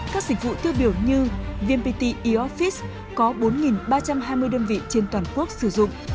các dịch vụ tiêu biểu như vnpt eofice có bốn ba trăm hai mươi đơn vị trên toàn quốc sử dụng